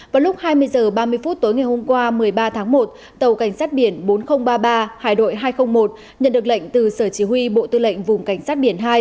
vào lúc hai mươi h ba mươi phút tối ngày hôm qua một mươi ba tháng một tàu cảnh sát biển bốn nghìn ba mươi ba hải đội hai trăm linh một nhận được lệnh từ sở chỉ huy bộ tư lệnh vùng cảnh sát biển hai